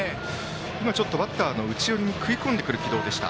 今バッターの内寄りに食い込んでくる軌道でした。